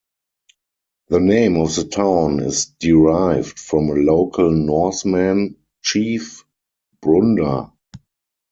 The name of the town is derived from a local Norsemen chief, Brunder.